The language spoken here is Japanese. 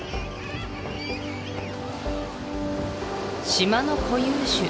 島の固有種